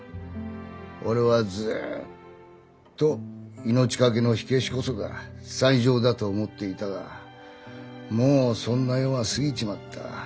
俺はずっと命懸けの火消しこそが最上だと思っていたがもうそんな世は過ぎちまった。